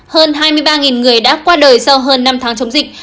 hơn hai mươi ba người đã qua đời sau hơn năm tháng chống dịch